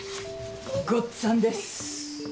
ごっつぁんです。